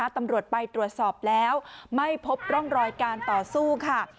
ตำรวจไปตรวจสอบแล้วไม่พบร่องรอยการต่อสู้ค่ะ